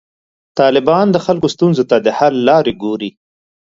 طالبان د خلکو ستونزو ته د حل لارې ګوري.